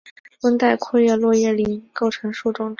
也是温带阔叶落叶林的主要构成树种之一。